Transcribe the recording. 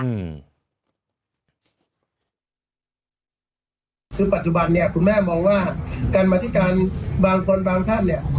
คือปัจจุบันเนี่ยคุณแม่มองว่าการมาธิการบางคนบางท่านเนี่ย